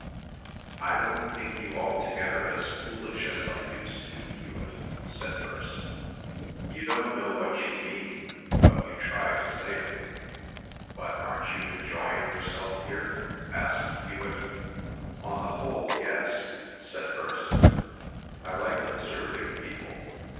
"I don't think you altogether as foolish as I used to, Hewet," said Hirst. "You don't know what you mean but you try to say it." "But aren't you enjoying yourself here?" asked Hewet. "On the whole—yes," said Hirst. "I like observing people.